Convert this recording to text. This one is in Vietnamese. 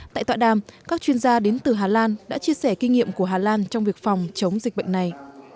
tại tọa đàm các chuyên gia đến từ hà lan đã chia sẻ kinh nghiệm của hà lan trong việc phòng chống dịch bệnh này